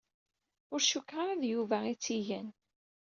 Ur cukkeɣ ara d Yuba i tt-igan.